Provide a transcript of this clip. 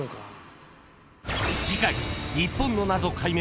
［次回］